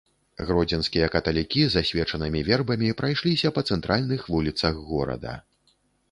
Гродзенскія каталікі з асвечанымі вербамі прайшліся па цэнтральных вуліцах горада.